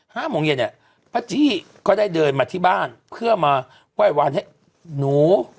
ห้าโมงเย็นเนี่ยป้าจี้ก็ได้เดินมาที่บ้านเพื่อมาไหว้วานให้หนู